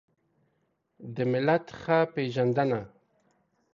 د ملت ښه پېژندنه